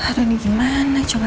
aduh ini gimana coba